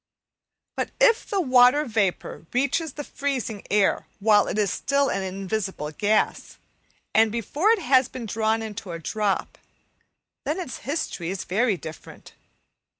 But if the water vapour reaches the freezing air while it is still an invisible gas, and before it has been drawn into a drop, then its history is very different.